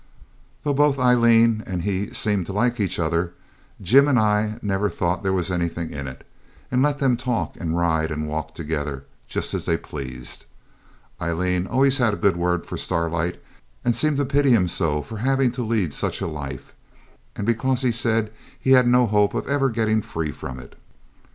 Though both Aileen and he seemed to like each other, Jim and I never thought there was anything in it, and let them talk and ride and walk together just as they pleased. Aileen always had a good word for Starlight, and seemed to pity him so for having to lead such a life, and because he said he had no hope of ever getting free from it.